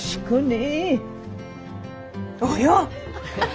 およ！